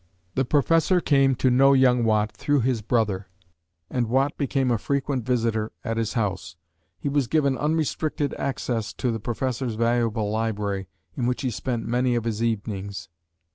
The Professor came to know young Watt through his brother, and Watt became a frequent visitor at his house. He was given unrestricted access to the Professor's valuable library, in which he spent many of his evenings.